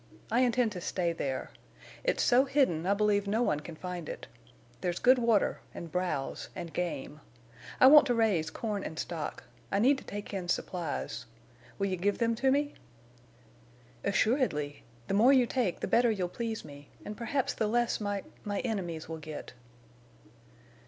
I intend to stay there. It's so hidden I believe no one can find it. There's good water, and browse, and game. I want to raise corn and stock. I need to take in supplies. Will you give them to me?" "Assuredly. The more you take the better you'll please me—and perhaps the less my—my enemies will get."